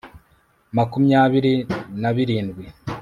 ma kumyabiri na birindwi